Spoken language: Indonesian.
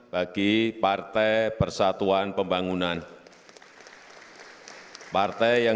bagi partai persatuan pembangunan